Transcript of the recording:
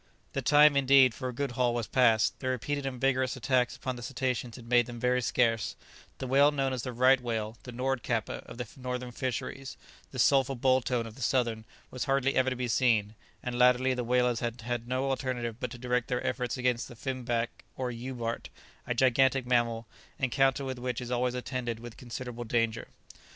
The time, indeed, for a good haul was past; the repeated and vigourous attacks upon the cetaceans had made them very scarce; the whale known as "the Right whale," the "Nord kapper" of the northern fisheries, the "Sulpher boltone" of the southern, was hardly ever to be seen; and latterly the whalers had had no alternative but to direct their efforts against the Finback or Jubarte, a gigantic mammal, encounter with which is always attended with considerable danger.